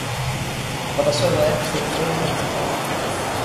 私は大学で生物について学んでいます